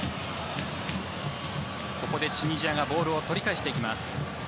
ここでチュニジアがボールを取り返していきます。